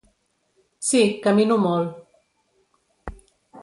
Sí, camino molt.